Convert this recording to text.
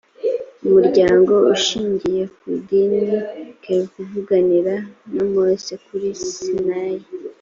umuryango ushingiye ku idini kv kuvuganira na mose kuri sinayi